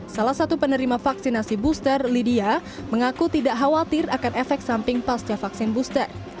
salah satu penerima vaksinasi booster lydia mengaku tidak khawatir akan efek samping pasca vaksin booster